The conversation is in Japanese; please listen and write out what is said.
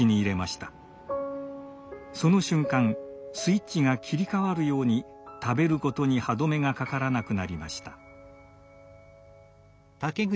その瞬間スイッチが切り替わるように食べることに歯止めがかからなくなりました。